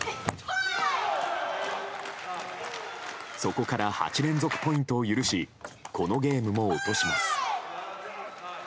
そこから８連続ポイントを許しこのゲームも落とします。